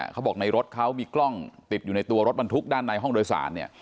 เขาบอกในรถเขามีกล้องติดอยู่ในตัวรถบรรทุกด้านในห้องโดยสารเนี่ย